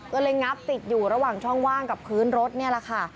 ก็เลยงับติดอยู่ระหว่างช่องว่างกับพื้นรถนี่แหละค่ะ